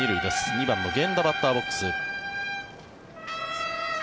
２番の源田バッターボックス。